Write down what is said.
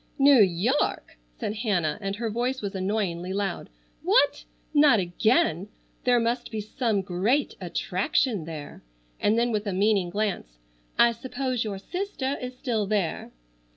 "New York!" said Hannah, and her voice was annoyingly loud. "What! Not again! There must be some great attraction there," and then with a meaning glance, "I suppose your sister is still there!"